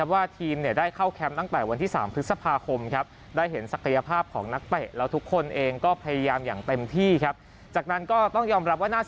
ว่าทีมได้เข้าแคมป์ตั้งแต่วันที่๓พฤษภาคม